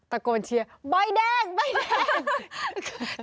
ตะโกนเชียร์บอยแดงบอยแดง